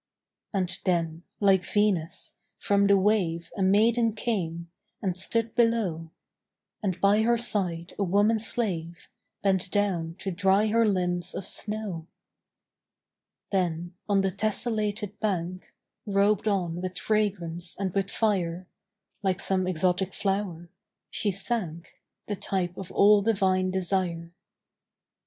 And then, like Venus, from the wave A maiden came, and stood below; And by her side a woman slave Bent down to dry her limbs of snow. Then on the tesselated bank, Robed on with fragrance and with fire, Like some exotic flower she sank, The type of all divine desire.